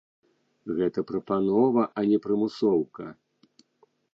Гэта прапанова, а не прымусоўка.